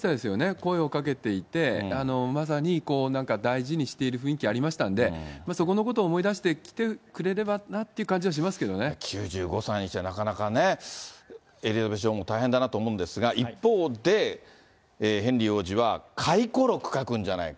声をかけていて、まさにこうなんか、大事にしている雰囲気ありましたんで、そこのことを思い出して来てくれればなっていう感じはしますけど９５歳にしてなかなかね、エリザベス女王も大変だなと思うんですが、一方でヘンリー王子は回顧録を書くんじゃないか。